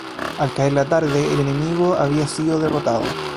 Al caer la tarde, el enemigo había sido derrotado.